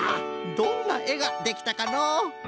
どんなえができたかのう？